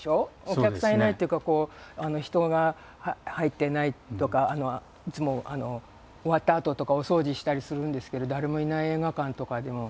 お客さんいないっていうか人が入ってないとかいつも終わったあととかお掃除したりするんですけど誰もいない映画館とかでも。